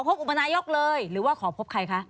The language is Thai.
อุปนายกเลยหรือว่าขอพบใครคะ